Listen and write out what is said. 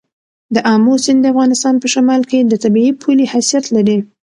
د آمو سیند د افغانستان په شمال کې د طبیعي پولې حیثیت لري.